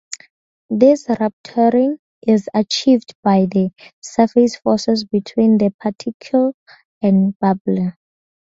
This rupturing is achieved by the surface forces between the particle and bubble.